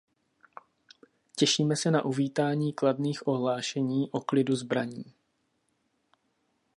Těšíme se na uvítání kladných ohlášení o klidu zbraní.